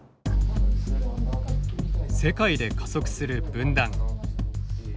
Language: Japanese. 世界で加速する分断。